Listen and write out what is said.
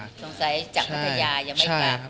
สงสัยจากพัทยายังไม่กลับ